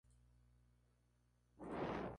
El primer sencillo del álbum es Yellow Brick Road.